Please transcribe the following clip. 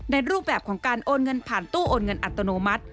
รูปแบบของการโอนเงินผ่านตู้โอนเงินอัตโนมัติ